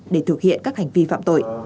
để thực hiện các hành vi phạm tội